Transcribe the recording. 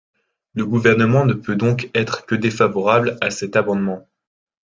Le Gouvernement ne peut donc être que défavorable à cet amendement.